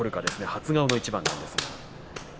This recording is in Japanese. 初顔の一番ですが。